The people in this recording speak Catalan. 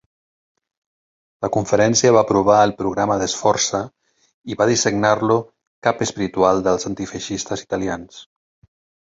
La conferència va aprovar el programa de Sforza i va designar-lo cap espiritual dels antifeixistes italians.